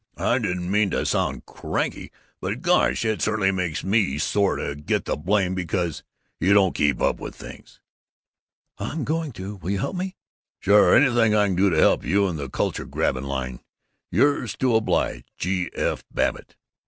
"I didn't mean to sound cranky, but gosh, it certainly makes me sore to get the blame because you don't keep up with things." "I'm going to! Will you help me?" "Sure. Anything I can do to help you in the culture grabbing line yours to oblige, G. F. Babbitt."